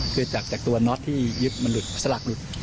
คือจากตัวน็อตที่ยึดมันหลุดสลักหลุด